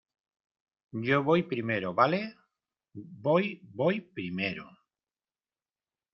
yo voy primero, ¿ vale? voy... voy primero .